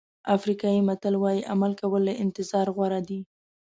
افریقایي متل وایي عمل کول له انتظار غوره دي.